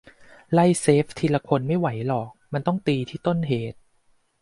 "ไล่เซฟทีละคนไม่ไหวหรอก มันต้องตีที่ต้นเหตุ"